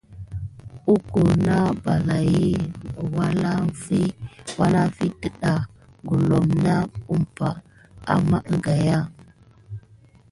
Moho na ɓelaki lwanafi natda gulome nat kupate à ma kigaya.